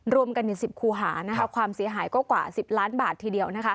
รวมกัน๑๐คูหาความเสียหายก็กว่า๑๐ล้านบาททีเดียว